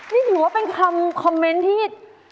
นี่ถือว่าเป็นคำคอมเมนต์ที่